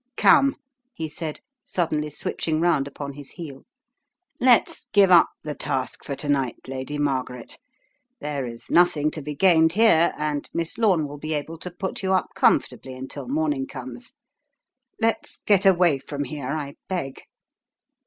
" Come," he said, suddenly switching round upon his heel. "Let's give the task up for to night, Lady Margaret. There is nothing to be gained here, and Miss Lome will be able to put you up comfortably until morning comes. Let's get away from here, I beg."